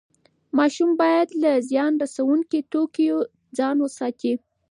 ماشوم باید له زیان رسوونکي توکیو ځان وساتي.